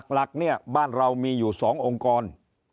หลักเนี่ยบ้านเรามีอยู่๒องค์กร